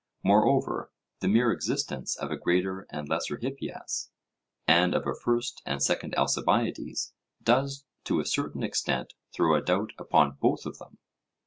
Moreover, the mere existence of a Greater and Lesser Hippias, and of a First and Second Alcibiades, does to a certain extent throw a doubt upon both of them.